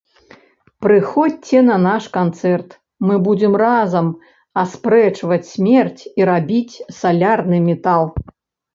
Прыходзьце на наш канцэрт, мы будзем разам аспрэчваць смерць і рабіць салярны метал!